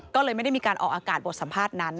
ก็เลยไม่ได้มีการออกอากาศบทสัมภาษณ์นั้น